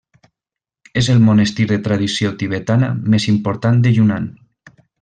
És el monestir de tradició tibetana més important de Yunnan.